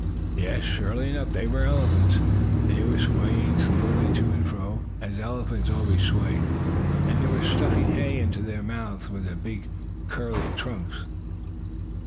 Yes, surely enough, they were elephants. They were swaying slowly to and fro, as elephants always sway, and they were stuffing hay into their mouths with their curling trunks.